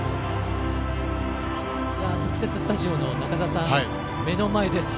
特設スタジオの中澤さん目の前です。